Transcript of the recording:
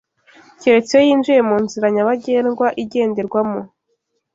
keretse iyo yinjiye mu nzira nyabagendwa igenderwamo